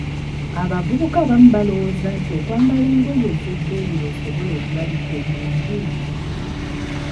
Abavubuka abamu balowooza nti okwambala engoye ez‘ebbeeyi lw'osobola okulabika obulungi!